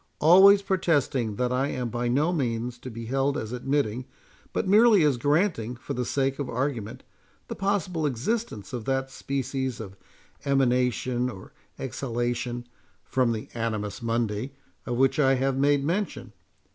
Always protesting that I am by no means to be held as admitting, but merely as granting for the sake of argument, the possible existence of that species of emanation, or exhalation, from the Animus Mundi , of which I have made mention.